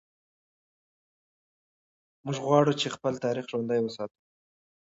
موږ غواړو چې خپل تاریخ ژوندی وساتو.